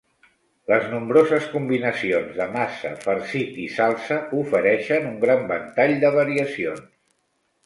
Les nombroses combinacions de massa, farcit i salsa ofereixen un gran ventall de variacions.